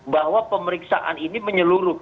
bahwa pemeriksaan ini menyeluruh